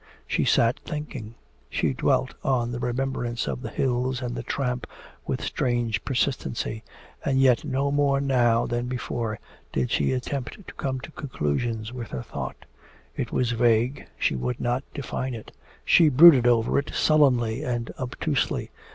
She sat thinking. She dwelt on the remembrance of the hills and the tramp with strange persistency, and yet no more now than before did she attempt to come to conclusions with her thought; it was vague, she would not define it; she brooded over it sullenly and obtusely.